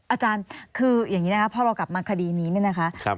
อาจารย์คืออย่างนี้นะคะพอเรากลับมาคดีนี้เนี่ยนะคะ